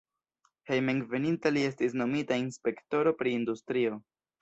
Hejmenveninta li estis nomita inspektoro pri industrio.